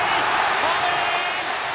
ホームイン！